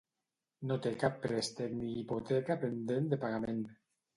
No té cap préstec ni hipoteca pendent de pagament.